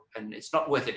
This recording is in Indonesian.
dan itu tidak berhasil